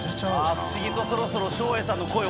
不思議とそろそろ照英さんの声を